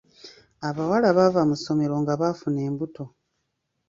Abawala baava mu ssomero nga baakafuna embuto.